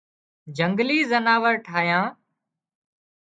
جنگلِي زناور ٺاهيان